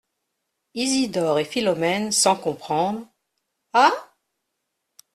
Isidore et Philomèle, sans comprendre. — Ah ?